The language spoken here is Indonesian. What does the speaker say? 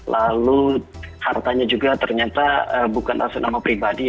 lalu hartanya juga ternyata bukan atas nama pribadi